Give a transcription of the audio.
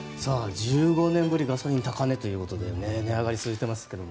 １５年ぶりにガソリンが高値ということで値上がりが続いていますが。